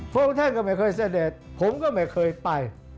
พระองค์ท่านก็ไม่เคยเสด็จผมก็ไม่เคยไป